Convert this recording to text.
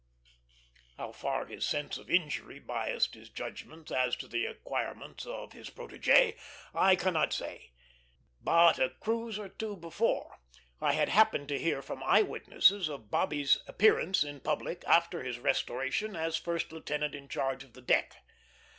How far his sense of injury biassed his judgments as to the acquirements of his protégé, I cannot say; but a cruise or two before I had happened to hear from eye witnesses of Bobby's appearance in public after his restoration as first lieutenant in charge of the deck.